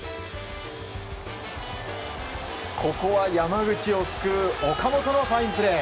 ここは山口を救う岡本のファインプレー。